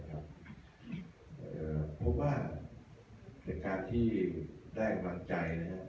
เพราะว่าในการที่ได้กำลังใจนะฮะ